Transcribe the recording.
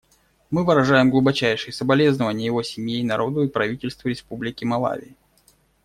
Мы выражаем глубочайшие соболезнования его семье и народу и правительству Республики Малави.